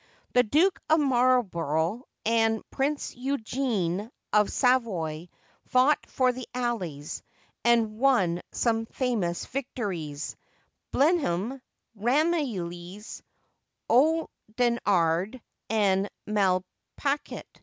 The Duke of Marlborough and Prince Eugene of Savoy fought for the allies, and won some famous victories, — Blenheim, Ramillies, Oudenarde, and Malplaquet.